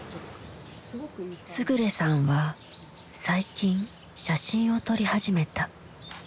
勝さんは最近写真を撮り始めた。